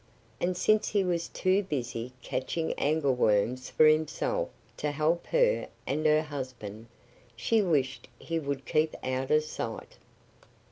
And since he was too busy catching angleworms for himself to help her and her husband, she wished he would keep out of sight.